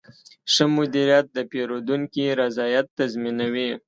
ښه مدیریت د پیرودونکي رضایت تضمینوي.